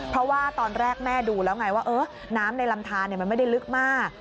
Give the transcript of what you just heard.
เพราะว่าตอนแรกแม่ดูแล้วไงว่าน้ำในลำทานมันไม่ได้ลึกมาก